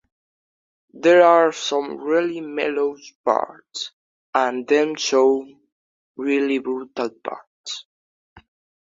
There are some really mellow parts and then some really brutal parts.